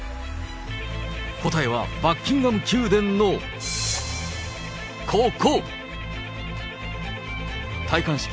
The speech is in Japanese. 答えはバッキンガム宮殿のここ。